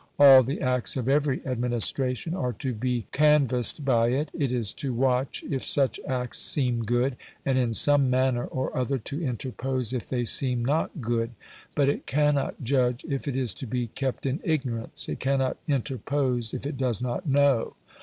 All the acts of every administration are to be canvassed by it; it is to watch if such acts seem good, and in some manner or other to interpose if they seem not good. But it cannot judge if it is to be kept in ignorance; it cannot interpose if it does not know.